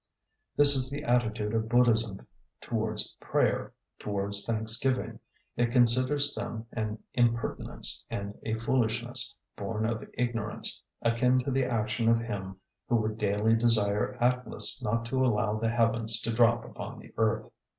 This is the attitude of Buddhism towards prayer, towards thanksgiving. It considers them an impertinence and a foolishness, born of ignorance, akin to the action of him who would daily desire Atlas not to allow the heavens to drop upon the earth.